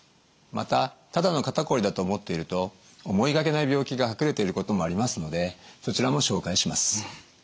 またただの肩こりだと思っていると思いがけない病気が隠れていることもありますのでそちらも紹介します。